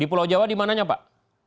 di pulau jawa dimananya pak